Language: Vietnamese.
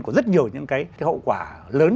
của rất nhiều những hậu quả lớn